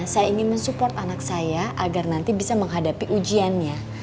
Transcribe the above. saya ingin mensupport anak saya agar nanti bisa menghadapi ujiannya